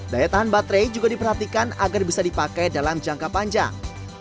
daya tahan baterai juga diperhatikan agar bisa dipakai dalam jangka panjang